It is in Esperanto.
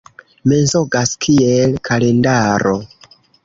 Mensogas kiel kalendaro.